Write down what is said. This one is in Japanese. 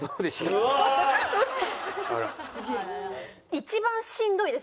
一番しんどいです